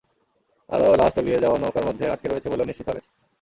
আরও লাশ তলিয়ে যাওয়া নৌকার মধ্যে আটকে রয়েছে বলেও নিশ্চিত হওয়া গেছে।